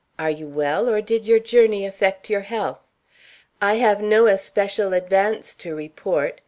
Are you well, or did your journey affect your health? I have no especial advance to report.